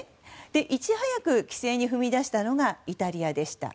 いち早く規制に踏み出したのがイタリアでした。